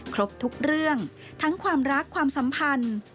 ครบทุกเรื่องทั้งความรักความสัมพันธ์